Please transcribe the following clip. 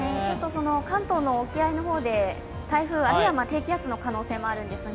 関東の沖合の方で台風、あるいは低気圧の可能性もあるんですが、